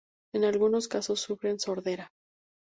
En algunos casos sufren sordera.